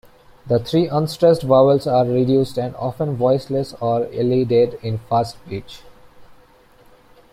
The three unstressed vowels are reduced and often voiceless or elided in fast speech.